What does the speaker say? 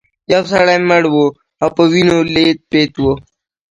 یو سړی مړ و او په وینو لیت پیت و.